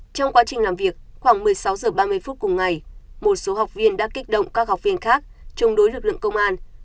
trong quá trình làm việc khoảng một mươi sáu h ba mươi phút cùng ngày một số học viên đã kích động các học viên khác chống đối lực lượng công an